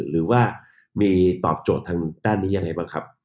หรือว่ามีตอบโจทย์ทางด้านนี้ยังไงบ้างครับ